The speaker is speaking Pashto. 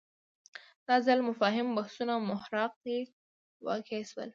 دا ځل مفاهیم بحثونو محراق کې واقع شول